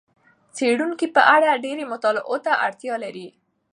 څېړونکي په اړه ډېرې مطالعاتو ته اړتیا لري.